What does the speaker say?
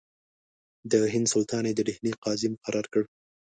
د هند سلطان یې د ډهلي قاضي مقرر کړ.